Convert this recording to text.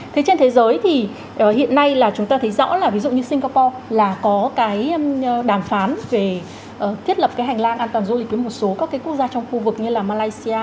thế trên thế giới thì hiện nay là chúng ta thấy rõ là ví dụ như singapore là có cái đàm phán về thiết lập cái hành lang an toàn du lịch với một số các cái quốc gia trong khu vực như là malaysia